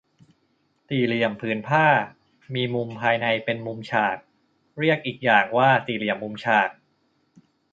สี่เหลี่ยมผืนผ้า มีมุมภายในเป็นมุมฉาก เรียกอีกอย่างว่าสี่เหลี่ยมมุมฉาก